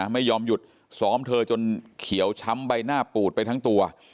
ไม่ยอมหยุดซ้อมเธอจนเขียวช้ำใบหน้าปูดไปทั้งตัว